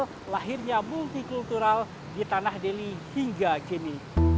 yang menjadi awal lahirnya multikultural di tanah deli hingga kini